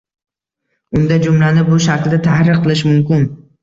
Unda jumlani bu shaklda tahrir qilish mumkin